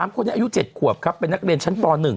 คนนี้อายุ๗ขวบครับเป็นนักเรียนชั้นป๑